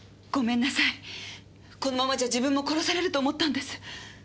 このままじゃ自分も殺されると思ったんです。